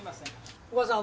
お母さん。